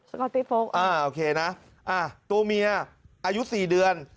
สก็อตทิศโฟล์อ่ะโอเคนะตัวเมียอายุ๔เดือน